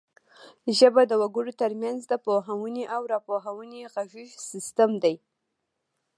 ژبه د وګړو ترمنځ د پوهونې او راپوهونې غږیز سیستم دی